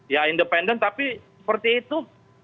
ya independen tapi seperti itu